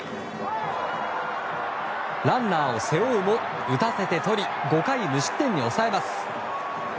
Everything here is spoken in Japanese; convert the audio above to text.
ランナーを背負うも打たせてとり５回無失点に抑えます。